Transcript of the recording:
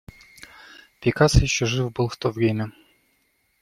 Пикассо еще жив был в то время!